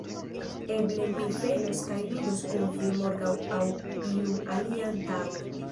Eble mi venos kaj ludos kun vi morgaŭ aŭ iun alian tagon.